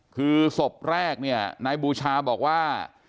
คือศพแรกเนี่ยนายบูชาบอกว่า